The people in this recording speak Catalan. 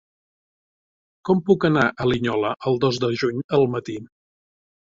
Com puc anar a Linyola el dos de juny al matí?